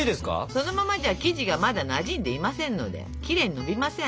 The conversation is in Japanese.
そのままじゃ生地がまだなじんでいませんのできれいにのびません。